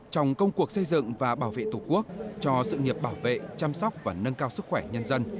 trong công cuộc xây dựng và bảo vệ tổ quốc cho sự nghiệp bảo vệ chăm sóc và nâng cao sức khỏe nhân dân